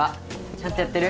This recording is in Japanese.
ちゃんとやってる？